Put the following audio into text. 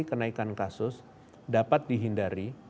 kenaikan kasus dapat dihindari